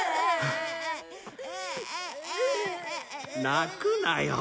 泣くなよ。